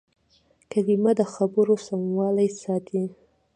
کلیمه د خبرو سموالی ساتي.